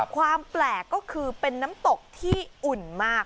ความแปลกก็คือเป็นน้ำตกที่อุ่นมาก